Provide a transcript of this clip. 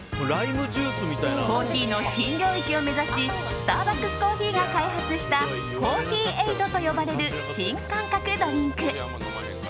コーヒーの新領域を目指しスターバックスコーヒーが開発したコーヒーエイドと呼ばれる新感覚ドリンク。